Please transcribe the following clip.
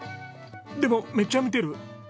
でもめっちゃ見てる。